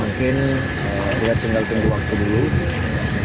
yang menyamakan antara anggota dewan